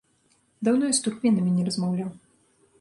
Даўно я з туркменамі не размаўляў.